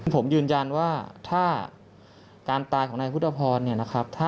ผมยืนยันว่าถ้าการตายของในพุทธภัณฑ์